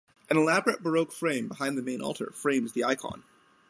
An elaborate baroque frame behind the main altar frames the icon.